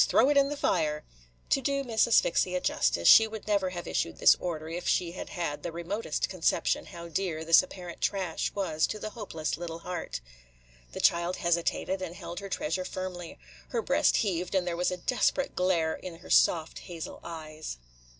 Throw it in the fire." To do Miss Asphyxia justice, she would never have issued this order if she had had the remotest conception how dear this apparent trash was to the hopeless little heart. The child hesitated, and held her treasure firmly. Her breast heaved, and there was a desperate glare in her soft hazel eyes.